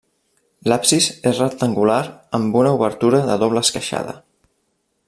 L'absis és rectangular amb una obertura de doble esqueixada.